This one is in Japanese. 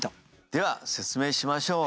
では説明しましょう。